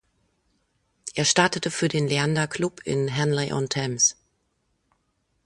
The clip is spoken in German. Er startete für den Leander Club in Henley-on-Thames.